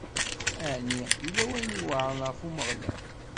Ɛni yella wayen iweɛṛen ɣef Umeɣlal?